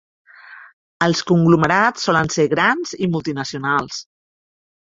Els conglomerats solen ser grans i multinacionals.